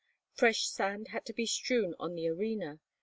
Fresh sand had to be strewn on the arena.